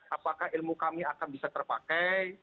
apakah ilmu kami akan bisa terpakai